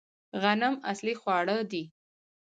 غنم اصلي خواړه دي